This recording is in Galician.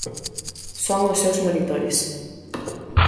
Son os seus monitores.